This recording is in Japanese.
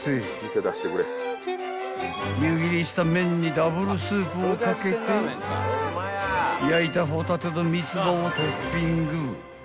［湯切りした麺にダブルスープを掛けて焼いたホタテと三つ葉をトッピング］